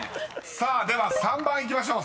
［さあでは３番いきましょう。